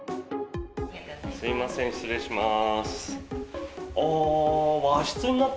すいません、失礼します。